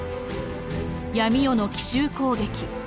闇夜の奇襲攻撃。